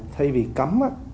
thay vì cấm